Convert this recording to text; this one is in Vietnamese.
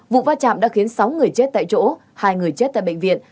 vụ va chạm đã khiến sáu người chết tại chỗ hai người chết tại bệnh viện